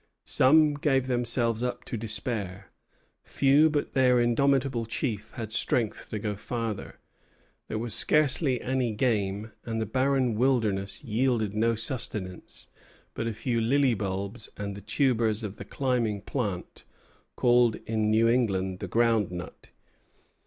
Some gave themselves up to despair. Few but their indomitable chief had strength to go father. There was scarcely any game, and the barren wilderness yielded no sustenance but a few lily bulbs and the tubers of the climbing plant called in New England the ground nut.